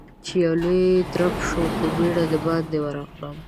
چې يو لوی درب شو، په بيړه د باندې ورغلم.